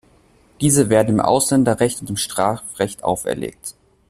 Diese werden im Ausländerrecht und im Strafrecht auferlegt.